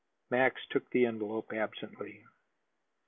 Max took the envelope absently.